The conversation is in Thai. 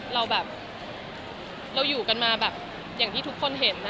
เราอยู่กันมาอย่างที่ทุกคนเห็น